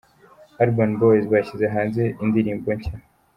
Urban Boys bashyize hanze iyi ndirimbo nshya.